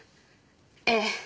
ええ。